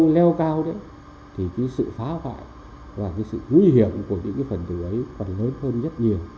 sâu leo cao đấy thì cái sự phá hoại và cái sự nguy hiểm của những cái phần tự ấy còn lớn hơn nhất nhiều